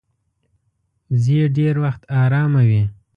وزې ډېر وخت آرامه وي